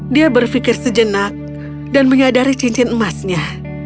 dia berpikir sejenak dan menyadari cincin emasnya